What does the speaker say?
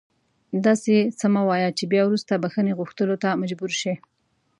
داسې څه مه وایه چې بیا وروسته بښنې غوښتلو ته مجبور شې